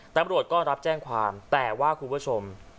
ตำรวจก็รับแจ้งความแต่ว่าคุณผู้ชม